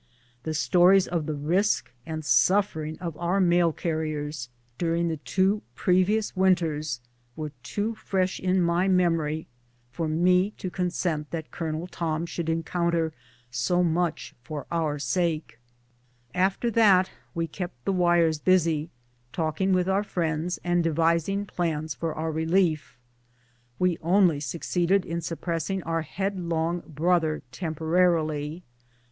The stories of the risk and suffering of our mail carriers during the two previous winters were too fresh in my memory for me to consent that Colonel Tom should encounter so much for our sake. 258 BOOTS AND SADDLES. After that we kept the wires busy, talking with our friends and devising pkns for our relief. We only suc ceeded in suppressing our headlong brotlier temporarily.